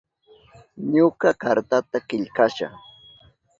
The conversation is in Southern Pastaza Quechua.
Ñuka kartata killkasha.